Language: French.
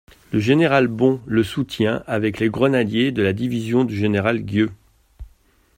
Le général Bon le soutient avec les grenadiers de la division du général Guieux.